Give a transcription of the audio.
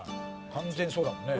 完全にそうだもんね